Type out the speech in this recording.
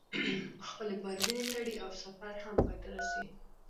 خپلې باربېنې تړي او سفر هم پاى ته رسي.